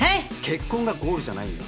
結婚がゴールじゃないんだよ。